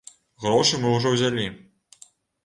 Грошы мы ўжо ўзялі.